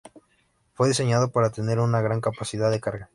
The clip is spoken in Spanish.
Fue diseñado para tener una gran capacidad de carga.